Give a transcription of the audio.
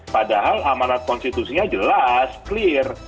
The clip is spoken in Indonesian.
padahal amanat konstitusinya jelas clear